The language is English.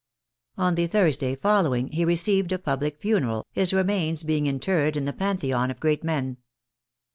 On the Thursday following he received a public funeral, his remains being interred in the Pantheon of g^eat men.